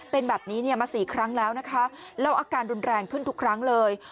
เป็นแบบนี้มา๔ครั้งแล้วนะคะแล้วอาการรุนแรงขึ้นทุกครั้งเลย